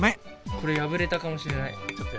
これ破れたかもしれない。